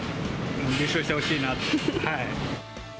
優勝してほしいなって。